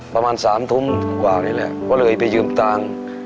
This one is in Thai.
ประมาณ๓ทุ่มกว่านี่แหละก็เลยไปยืมตังค์